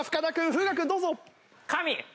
風雅君どうぞ！